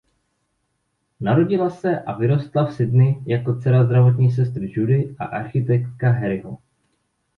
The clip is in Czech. Narodila se a vyrostla v Sydney jako dcera zdravotní sestry Judy a architekta Harryho.